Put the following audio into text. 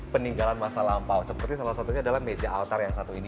peninggalan masa lampau seperti salah satunya adalah meja altar yang satu ini